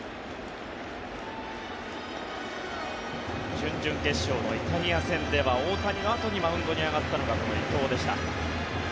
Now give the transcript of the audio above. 準々決勝のイタリア戦では大谷のあとにマウンドに上がったのがこの伊藤でした。